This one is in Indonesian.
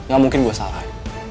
gak mungkin gue salah